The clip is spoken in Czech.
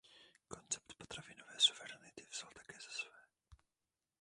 Koncept potravinové suverenity vzal také za své.